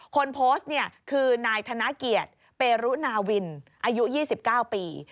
คนโพสต์เนี่ยคือนายธนเกียรติเปรุนาวินอายุ๒๙ปี